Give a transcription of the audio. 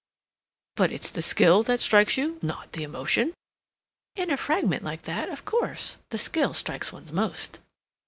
"But it's the skill that strikes you—not the emotion?" "In a fragment like that, of course, the skill strikes one most."